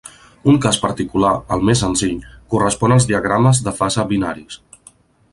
Un cas particular, el més senzill, correspon als diagrames de fase binaris.